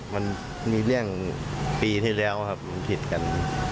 มันมีเรื่องปีที่แล้วครับมันผิดกัน